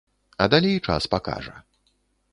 А далей час пакажа.